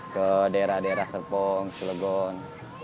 ke daerah daerah serpong cilegon